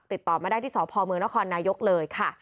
ติดต่อมาได้ที่สพมนนเลย